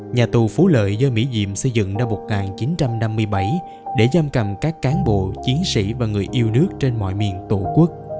nhà tù phú lợi do mỹ diệm xây dựng năm một nghìn chín trăm năm mươi bảy để giam cầm các cán bộ chiến sĩ và người yêu nước trên mọi miền tổ quốc